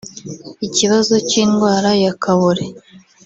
Ikibazo cy’indwara ya Kabore